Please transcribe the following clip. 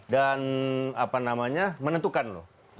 dan apa namanya menentukan loh